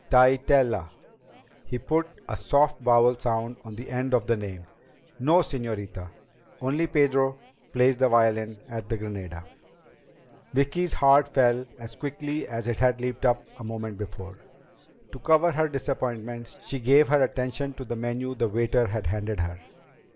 "Tytell a?" He put a soft vowel sound on the end of the name. "No, señorita. Only Pedro plays the violin at the Granada." Vicki's heart fell as quickly as it had leaped up a moment before. To cover her disappointment, she gave her attention to the menu the waiter had handed her.